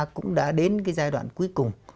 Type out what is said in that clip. cũng đã đến cái giai đoạn cuối cùng